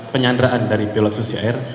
penyanderaan dari pilot susi air